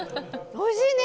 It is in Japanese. おいしいね！